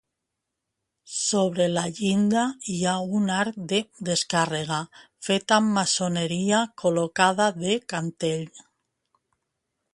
Sobre la llinda hi ha un arc de descàrrega fet amb maçoneria col·locada de cantell.